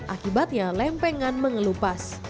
akibatnya lempengan mengelupas